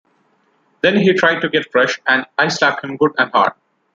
Then he tried to get fresh, and I slapped him good and hard.